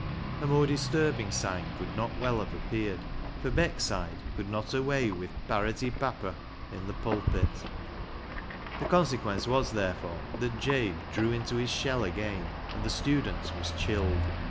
A more disturbing sign could not well have appeared, for Beckside could not away with " parrotty papper " in the THE STUDENT 27 pulpit. The consequence was, therefore, that Jabe drew into his shell again, and the student was chilled.